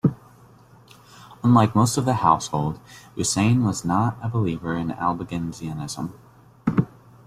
Unlike most of the household, Vuissane was not a believer in Albigensianism.